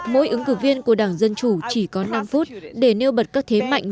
mỗi ứng cử viên của đảng dân chủ chỉ có năm phút để nêu bật các thế mạnh